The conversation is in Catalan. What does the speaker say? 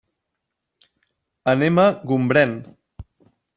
Anem a Gombrèn.